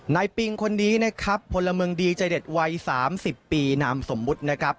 ปิงคนนี้นะครับพลเมืองดีใจเด็ดวัย๓๐ปีนามสมมุตินะครับ